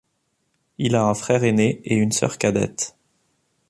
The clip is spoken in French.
Il a un frère aîné et une sœur cadette.